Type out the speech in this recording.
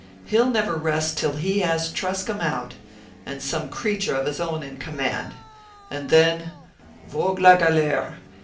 He'll never rest till he has Truscomb out, and some creature of his own in command and then, vogue la galère!